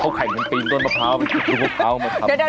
เค้าแข่งกันปีนต้นพะพร้าวมันคือต้นพะพร้าวมั้ยครับ